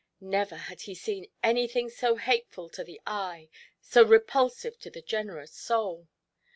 Never had he seen anything so hateful to the eye, so repulsive to the generous soul.